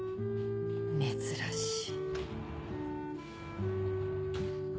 珍しい。